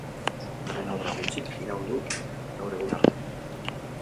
Haren obra gutxik iraun du gaur egun arte.